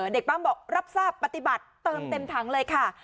ปั้มบอกรับทราบปฏิบัติเติมเต็มถังเลยค่ะ